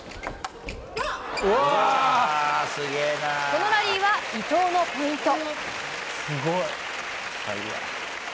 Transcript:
このラリーは伊藤のポイント。